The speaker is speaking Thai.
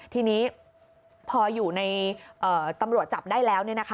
ทีนี้พออยู่ในตำรวจจับได้แล้ว